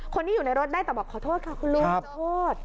คนที่อยู่ในรถได้แต่บอกขอโทษค่ะคุณลุงขอโทษ